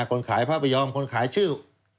คนขายพระพยอมคนขายชื่อ